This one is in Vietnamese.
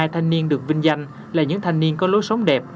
một mươi hai thanh niên được vinh danh là những thanh niên có lối sống đẹp